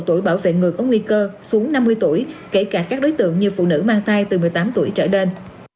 đầu tuổi bảo vệ người có nguy cơ xuống năm mươi tuổi kể cả các đối tượng như phụ nữ mang tay từ một mươi tám tuổi trở đến